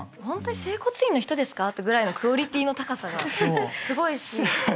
ホントに整骨院の人ですかってぐらいのクオリティーの高さがすごいし。